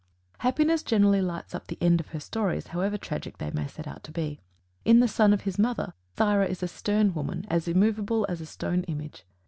Happiness generally lights up the end of her stories, however tragic they may set out to be. In "The Son of His Mother," Thyra is a stern woman, as "immovable as a stone image."